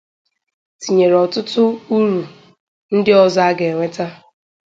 tinyere ọtụtụ úrù ndị ọzọ ọ ga-eweta.